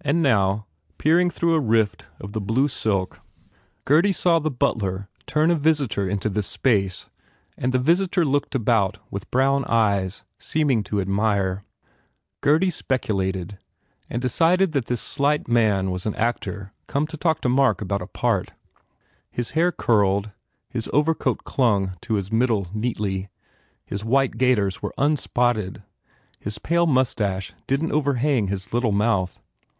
And now, peering through a rift of the blue silk Gurdy saw the butler turn a .visitor into this space and the visitor looked about with brown eyes, seeming to admire. Gurdy speculated and decided that the slight man was an actor come to talk to Mark about a part. His hair curled, his overcoat clung to his middle neatly, his white gaiters were unspotted, his pale moustache didn t overhang his little mouth.